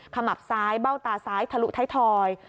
มับซ้ายเบ้าตาซ้ายทะลุท้ายทอย